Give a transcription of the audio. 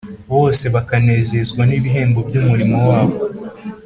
. Bose bakanezezwa n’ibihembo by’umurimo wabo